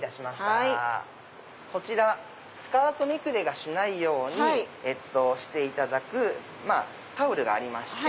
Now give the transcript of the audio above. こちらスカートめくれがしないようにしていただくタオルがありまして。